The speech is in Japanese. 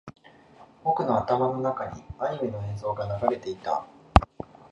僕の頭の中にアニメの映像が流れていた